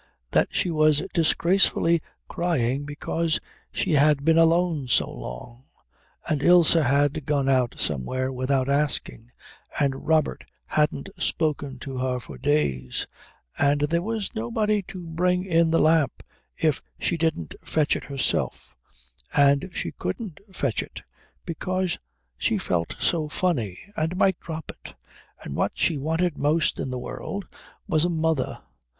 that she was disgracefully crying because she had been alone so long, and Ilse had gone out somewhere without asking, and Robert hadn't spoken to her for days, and there was nobody to bring in the lamp if she didn't fetch it herself, and she couldn't fetch it because she felt so funny and might drop it, and what she wanted most in the world was a mother.